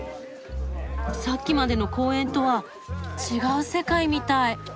さっきまでの公園とは違う世界みたい。